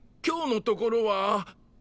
今日のところは。